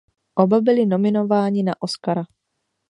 Oba byli nominováni na Oscara.